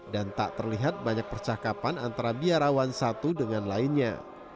dan tak terlihat banyak percakapan antara biarawan satu dengan lainnya